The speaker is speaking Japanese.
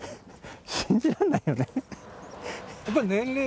信じられないよね。